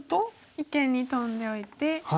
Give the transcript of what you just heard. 一間にトンでおいて。